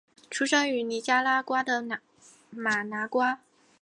出生于尼加拉瓜的马拿瓜。